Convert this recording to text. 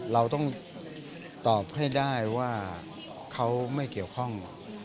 เราต้องตอบให้ได้ว่าเขาไม่เกี่ยวข้อง